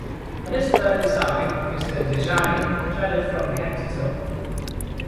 On this third disarming, Mr. De Charny shuddered from head to toe.